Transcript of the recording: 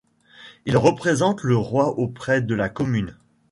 Il représente le roi auprès de la commune.